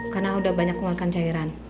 karena udah banyak mengeluarkan cairan